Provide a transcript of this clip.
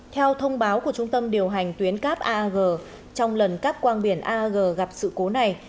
theo thông báo của trung tâm điều hành tuyến cáp aag trong lần cáp quang biển aag gặp sự cố này